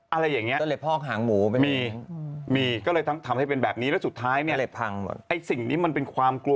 อะไรอย่างนี้มีมีก็เลยทำให้เป็นแบบนี้แล้วสุดท้ายเนี่ยไอ้สิ่งนี้มันเป็นความกลัว